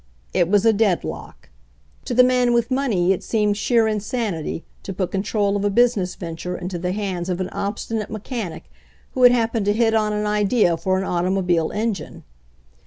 It was a deadlock. To the man with money it seemed sheer insanity to put control of a busi ness venture into the hands of an obstinate me chanic who had happened to hit on an idea for an automobile engine.